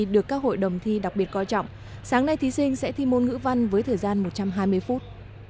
được các hội đồng thi đặc biệt coi trọng sáng nay thí sinh sẽ thi môn ngữ văn với thời gian một trăm hai mươi phút